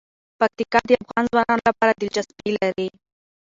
پکتیکا د افغان ځوانانو لپاره دلچسپي لري.